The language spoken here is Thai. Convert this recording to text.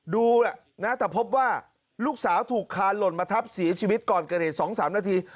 ดูนะแต่พบว่าลูกสาวถูกคานหล่นมาทับเสียชีวิตก่อนเกิดเหตุ๒๓นาที